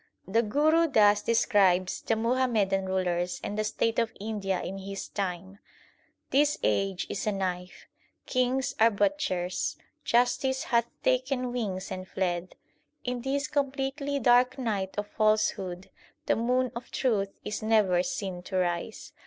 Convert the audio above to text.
The Guru thus describes the Muhammadan rulers and the state of India in his time : This age is a knife, kings are butchers ; justice hath taken wings and fled. In this completely dark night of falsehood the moon of truth is never seen to rise.